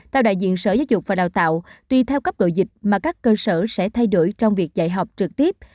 theo đại diện sở giáo dục và đào tạo tuy theo cấp độ dịch mà các cơ sở sẽ thay đổi trong việc dạy học trực tiếp